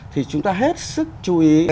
thì chúng ta hết sức chú ý